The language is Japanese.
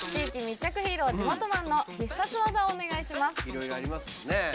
いろいろありますしね。